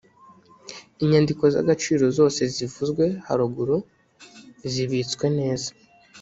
inyandiko z’ agaciro zose zivuzwe haruguru zibitswe neza